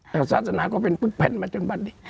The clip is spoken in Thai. และศาสนาก็เป็นฟื้นแผ่นมาจนบันนี้